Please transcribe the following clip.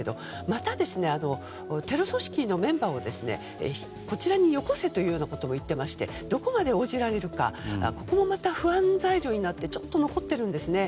またテロ組織のメンバーをこちらによこせということも言っていましてどこまで応じられるかここもまた不安材料になってちょっと残っているんですね。